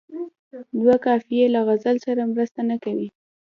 دوه قافیې له غزل سره مرسته نه کوي.